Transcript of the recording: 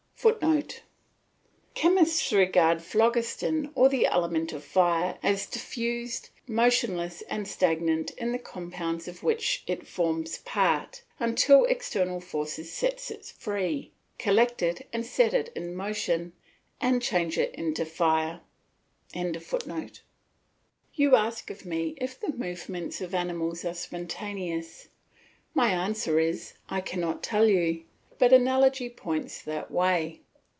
[Footnote: Chemists regard phlogiston or the element of fire as diffused, motionless, and stagnant in the compounds of which it forms part, until external forces set it free, collect it and set it in motion, and change it into fire.] You ask me if the movements of animals are spontaneous; my answer is, "I cannot tell," but analogy points that way.